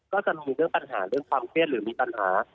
ก็จะมีเรื่องปัญหาเรื่องความเครียดหรือมีปัญหา